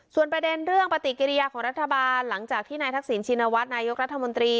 ส่วนประเด็นเรื่องปฏิกิริยาของรัฐบาลหลังจากที่นายทักษิณชินวัฒนนายกรัฐมนตรี